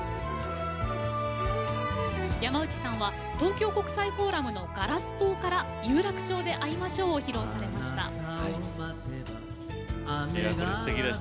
山内さんは東京国際フォーラムのガラス棟から「有楽町で逢いましょう」を披露されました。